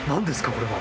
これは。